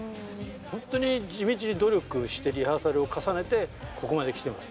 本当に地道に努力して、リハーサルを重ねてここまできてます。